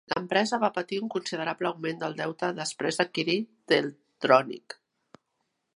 L'empresa va patir un considerable augment del deute després d'adquirir Teltronic.